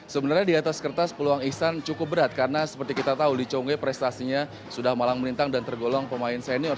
sebenarnya di atas kertas peluang ihsan cukup berat karena seperti kita tahu lee chong wei prestasinya sudah malang melintang dan tergolong pemain senior